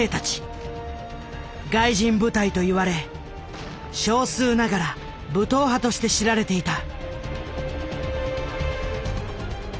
「外人部隊」と言われ少数ながら武闘派として知られていた。